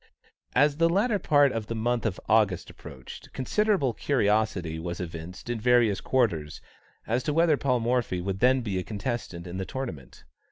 As the latter part of the month of August approached, considerable curiosity was evinced in various quarters as to whether Paul Morphy would then be a contestant in the tournament.